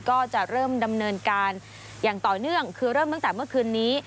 ก็จะเริ่มดำเนินการอย่างต่อเนื่องคือเริ่มตั้งแต่เมื่อคืนนี้